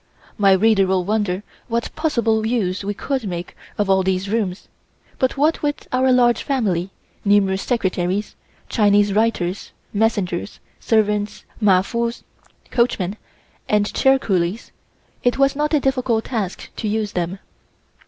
My reader will wonder what possible use we could make of all of these rooms; but what with our large family, numerous secretaries, Chinese writers, messengers, servants, mafoos (coachmen), and chair coolies, it was not a difficult task to use them.